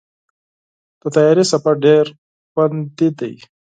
د طیارې سفر ډېر خوندي دی.